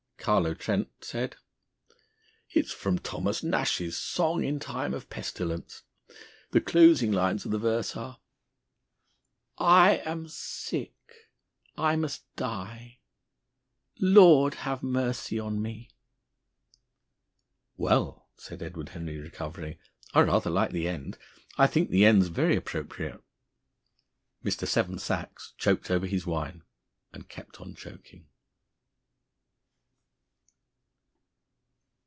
Carlo Trent said: "It's from Thomas Nashe's 'Song in Time of Pestilence.' The closing lines of the verse are: "_I am sick, I must die _ Lord, have mercy on me!" "Well," said Edward Henry, recovering, "I rather like the end. I think the end's very appropriate." Mr. Seven Sachs choked over his wine, and kept on choking.